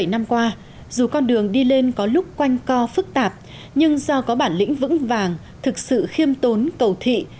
bảy năm qua dù con đường đi lên có lúc quanh co phức tạp nhưng do có bản lĩnh vững vàng thực sự khiêm tốn cầu thị